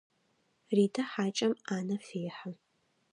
Ритэ хьакӏэм ӏанэ фехьы.